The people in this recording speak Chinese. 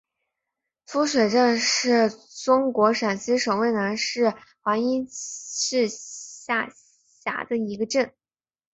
夫水镇是中国陕西省渭南市华阴市下辖的一个镇。